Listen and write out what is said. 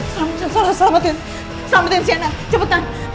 selamatkan selamatkan selamatkan sienna cepetan